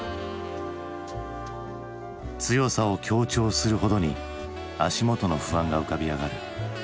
強さを強調するほどに足元の不安が浮かび上がる。